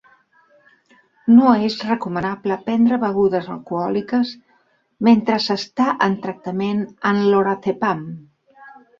No és recomanable prendre begudes alcohòliques mentre s'està en tractament amb Lorazepam.